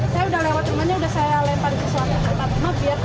saya udah lewat rumahnya udah saya lempar ke suatu tempat